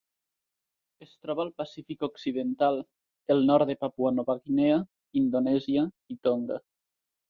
Es troba al Pacífic occidental: el nord de Papua Nova Guinea, Indonèsia i Tonga.